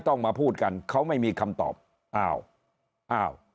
ต้องมาพูดกันเขาไม่มีคำตอบอ้าวอ้าวอ้าว